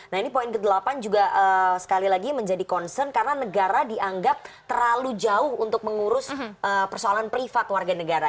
nah ini poin ke delapan juga sekali lagi menjadi concern karena negara dianggap terlalu jauh untuk mengurus persoalan privat warga negara